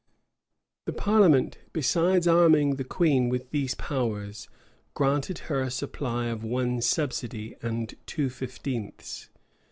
The parliament, besides arming the queen with these powers, granted her a supply of one subsidy and two fifteenths.